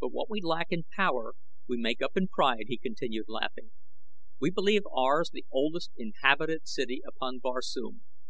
"But what we lack in power we make up in pride," he continued, laughing. "We believe ours the oldest inhabited city upon Barsoom.